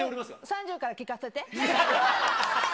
３０から聞かせて。